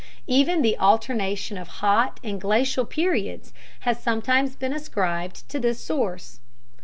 Even the alternation of hot and glacial periods has sometimes been ascribed to this source.